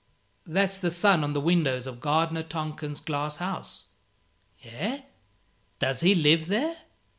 "That's the sun on the windows of Gardener Tonken's glass house." "Eh? does he live there?"